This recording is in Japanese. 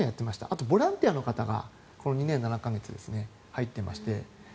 あとボランティアの方がこの２年７か月入ってまして。